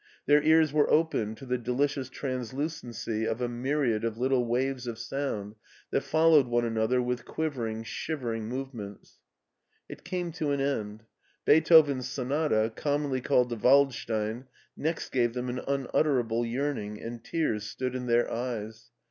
Their ears were opened to the delicious translucency of a myriad of little waves of sound that followed one another with quivering, shivering movements. It came to an end. Beethoven's sonata, commonly called the " Waldstein," next gave them an unutterable yearning, and tears stood in their eyes.